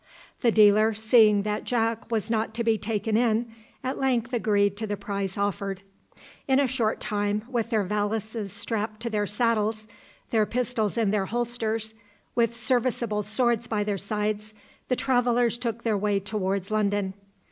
'" The dealer, seeing that Jack was not to be taken in, at length agreed to the price offered. In a short time, with their valises strapped to their saddles, their pistols in their holsters, with serviceable swords by their sides, the travellers took their way towards London.